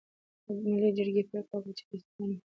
ملي جرګې پریکړه وکړه چې د صفویانو مالیه بنده کړي.